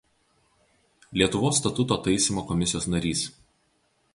Lietuvos Statuto taisymo komisijos narys.